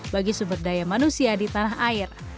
bagi sumber daya manusia di tanah air